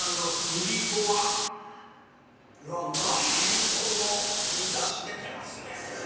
いりこのいいだし出てますねこれ。